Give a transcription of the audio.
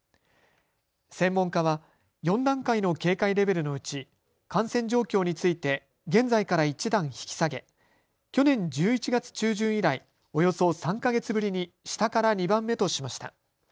専門家は４段階の警戒レベルのうち、感染状況について現在から１段引き下げ去年１１月中旬以来およそ３か月ぶりに下から２番目としました。